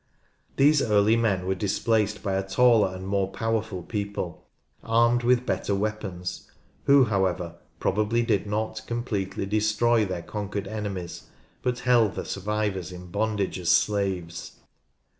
These early men were displaced by a taller and more powerful people armed with better weapons, who, how ever, probably did not completely destroy their conquered enemies, but held the survivors in bondage as slaves.